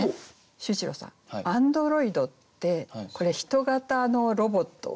秀一郎さん「アンドロイド」ってこれ人型のロボットですよね。